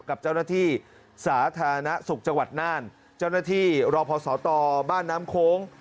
กับเจ้าหน้าที่สาธารณสุขจังหวัดน่านเจ้าหน้าที่รอพศตบ้านน้ำโค้ง